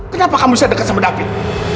kenapa kamu saya dekat sama david